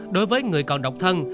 đối với người còn độc thân